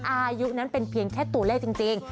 อายุนั้นเป็นเพียงแค่ตัวเลขจริง